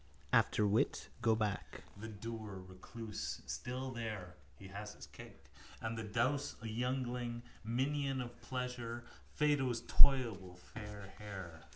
Afterwit. Go back. The dour recluse still there (he has his cake) and the douce youngling, minion of pleasure, Phedo's toyable fair hair.